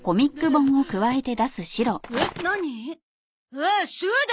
ああそうだ！